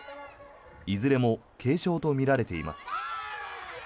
いずれも軽症とみられています。